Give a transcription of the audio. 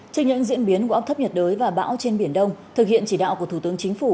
trên những diễn biến của áp thấp nhiệt đới và bão trên biển đông thực hiện chỉ đạo của thủ tướng chính phủ